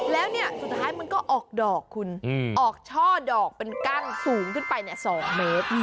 แล้วสุดท้ายมันก็ออกดอกคุณออกช่อดอกเป็นกั้นสูงขึ้นไป๒เมตร